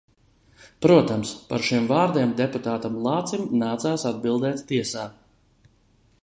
Protams, par šiem vārdiem deputātam Lācim nācās atbildēt tiesā.